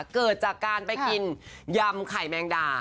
เกิดจากการไปกินยำไข่แมงดา